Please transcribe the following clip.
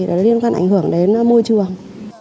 thì liên quan ảnh hưởng đến môi trường